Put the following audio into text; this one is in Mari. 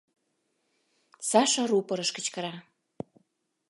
— Саша рупорыш кычкыра.